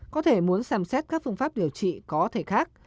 có thể muốn xem xét các phương pháp điều trị có thể khác